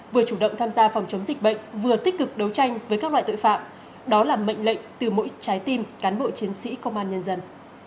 vừa chủ động tham gia phòng chống dịch bệnh vừa tích cực đấu tranh với các loại tội phạm đó là mệnh lệnh từ mỗi trái tim cán bộ chiến sĩ công an nhân dân